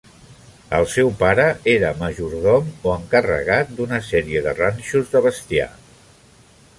El seu pare era majordom o encarregat d'una sèrie de ranxos de bestiar.